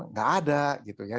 nggak ada gitu ya